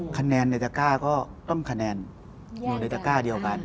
คะแนนในตะก้าก็ต้องคะแนนอยู่ในตะก้าเดียวกัน